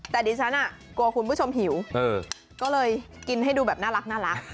แต่ดิฉันกลัวคุณผู้ชมหิวก็เลยกินให้ดูแบบน่ารัก